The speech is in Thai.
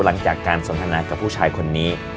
หลังจากการสัญลักษณ์กับผู้ชายคนนี้